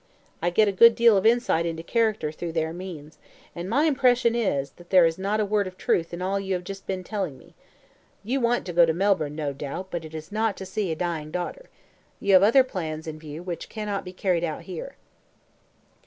I get a good deal of insight into character through their means; and my impression is, that there is not a word of truth in all you have just been telling me. You want to go to Melbourne, no doubt, but it is not to see a dying daughter. You have other plans in view which cannot be carried out here."